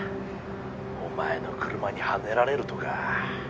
お前の車にはねられるとか。